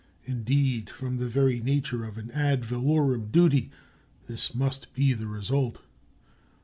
Indeed, from the very nature of an ad valorem duty this must be the result.